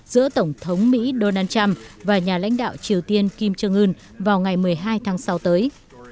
giữa tổng thống mỹ donald trump và nhà lãnh đạo triều tiên kim jong un vào ngày một mươi hai tháng sáu tới